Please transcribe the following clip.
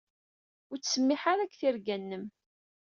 Ur ttsemmiḥ ara deg tirga-nnem.